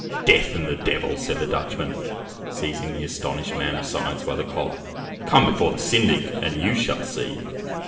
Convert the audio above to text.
"Death and the devil!" said the Dutchman, seizing the astonished man of science by the collar; "come before the syndic, and you shall see."